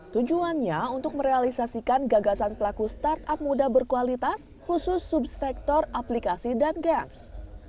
tujuannya untuk merealisasikan gagasan pelaku startup muda berkualitas khusus subsektor aplikasi dan games